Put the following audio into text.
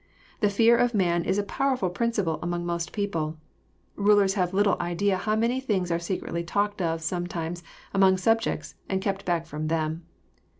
The fear of man is a powerful principle among most people. Bulers have little idea bow many things are secretly talked of sometimes among sub jects, and kept back ft'om them.